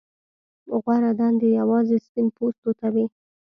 غوره دندې یوازې سپین پوستو ته وې.